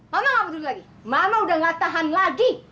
mama gak peduli lagi mama udah gak tahan lagi